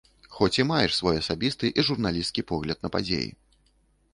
Хоць і маеш свой асабісты і журналісцкі погляд на падзеі.